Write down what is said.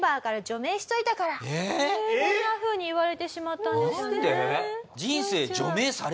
こんなふうに言われてしまったんですよね。